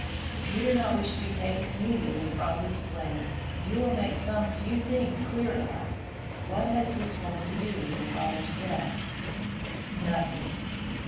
If you do not wish to be taken immediately from this place, you will make some few things clear to us. What has this woman had to do with your father's death?" "Nothing."